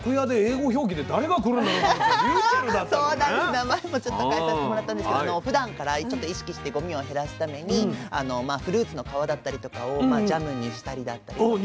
名前もちょっと変えさせてもらったんですけどふだんからちょっと意識してゴミを減らすためにフルーツの皮だったりとかをジャムにしたりだったりとか。